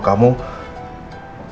kamu bisa lihat sendiri